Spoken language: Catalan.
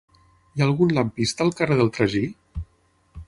Hi ha algun lampista al carrer del Tragí?